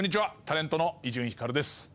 タレントの伊集院光です。